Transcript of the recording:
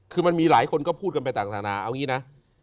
คือมันมีหลายคนก็พูดกันไปจากศาลาเอางี้นะ